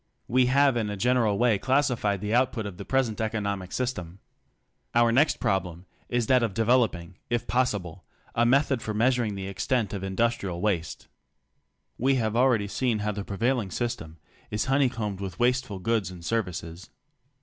We have in a general way classified the output of the present economic system. Our next problem is that of developing, if possible, a method for measuring the extent of industrial waste. We have already seen how the prevailing system is honey combed with wasteful goods and services.